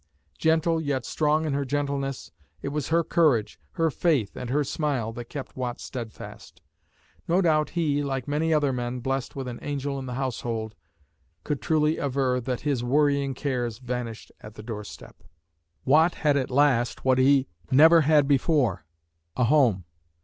Gentle yet strong in her gentleness, it was her courage, her faith, and her smile that kept Watt steadfast. No doubt he, like many other men blessed with an angel in the household, could truly aver that his worrying cares vanished at the doorstep. Watt had at last, what he never had before, a home.